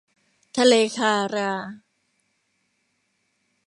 ทะเลคารา